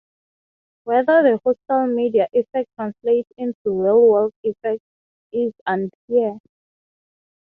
Whether the hostile media effect translates into real-world effects is unclear.